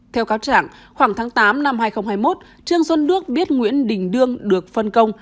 theo cáo trạng khoảng tháng tám năm hai nghìn hai mươi một trương xuân đức biết nguyễn đình đương được phân công